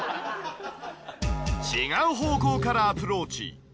違う方向からアプローチ。